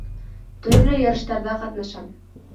Төрлө ярыштарҙа ҡатнашам.